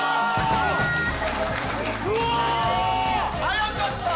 早かった！